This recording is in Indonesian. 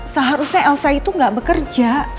seharusnya elsa itu tidak bekerja